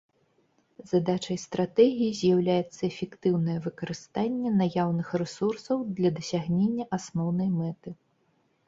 Задачай стратэгіі з'яўляецца эфектыўнае выкарыстанне наяўных рэсурсаў для дасягнення асноўнай мэты.